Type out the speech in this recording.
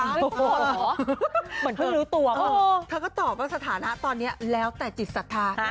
เหมือนเพิ่งรู้ตัวเธอก็ตอบว่าสถานะตอนนี้แล้วแต่จิตศรัทธา